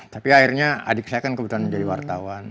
tapi akhirnya adik saya kan kebetulan menjadi wartawan